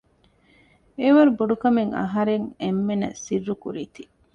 އެވަރުގެ ބޮޑުކަމެއް އަހަރެން އެންމެންނަށް ސިއްރުކުރީތީ